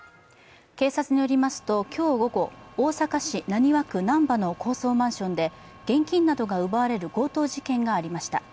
警察によりますと、今日午後大阪市浪速区難波の高層マンションで現金などが奪われる強盗事件がありました。